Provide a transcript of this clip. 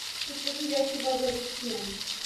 Ko'chaga yoki bozorga chiqmang